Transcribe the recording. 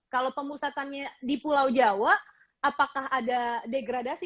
kalau pemusatannya di pulau jawa apakah ada degradasi